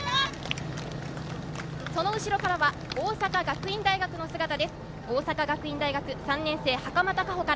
後ろからは大阪学院大学です。